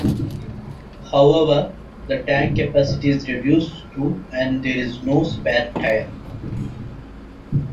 However, the tank capacity is reduced to and there is no spare tire.